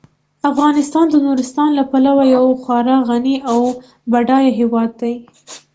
افغانستان د نورستان له پلوه یو خورا غني او بډایه هیواد دی.